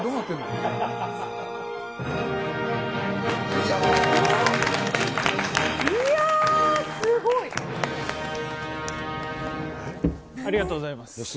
いやー、すごい。ありがとうございます。